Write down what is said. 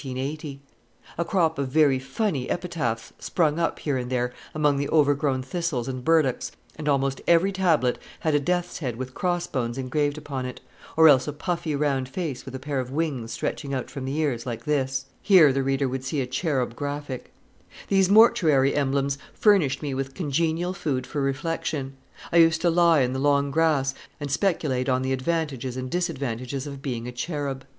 A crop of very funny epitaphs sprung up here and there among the overgrown thistles and burdocks, and almost every tablet had a death's head with cross bones engraved upon it, or else a puffy round face with a pair of wings stretching out from the ears, like this: Cherub Graphic These mortuary emblems furnished me with congenial food for reflection. I used to lie in the long grass, and speculate on the advantages and disadvantages of being a cherub.